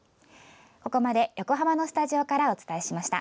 ここまで横浜のスタジオからお伝えしました。